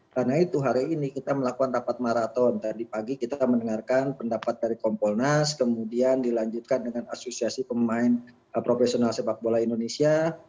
karena itu hari ini kita melakukan rapat maraton tadi pagi kita mendengarkan pendapat dari kompolnas kemudian dilanjutkan dengan asosiasi pemain profesional sepak bola indonesia